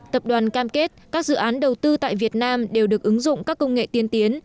tập đoàn cam kết các dự án đầu tư tại việt nam đều được ứng dụng các công nghệ tiên tiến